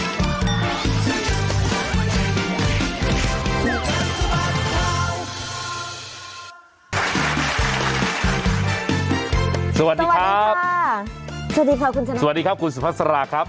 สวัสดีครับสวัสดีครับสวัสดีครับคุณชนะสวัสดีครับคุณสุภัสราครับ